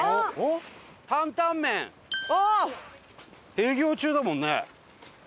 営業中だもんね。